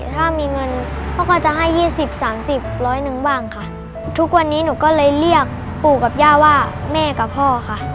ถ้ามีเงินพ่อก็จะให้ยี่สิบสามสิบร้อยหนึ่งบ้างค่ะทุกวันนี้หนูก็เลยเรียกปู่กับย่าว่าแม่กับพ่อค่ะ